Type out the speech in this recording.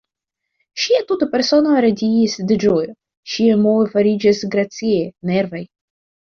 Ŝia tuta persono radiis de ĝojo; ŝiaj movoj fariĝis graciaj, nervaj.